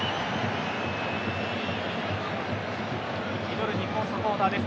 祈る日本サポーターです。